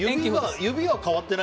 指は変わってない。